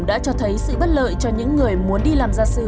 đã cho thấy sự bất lợi cho những người muốn đi làm gia sư